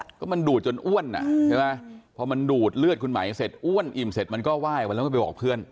เพราะมันดูดจนอ้วนอะเพราะมันดูดเลือดคุณหมายเสร็จอ้วนอิ่มเสร็จมันก็ไหว้แล้วมันไปบอกเพื่อน